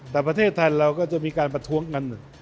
แต่ประเทศไทยเราก็จะมีการประท้วงกัน